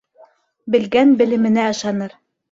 Белгән белеменә ышаныр